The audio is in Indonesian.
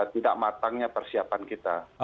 tidak matangnya persiapan kita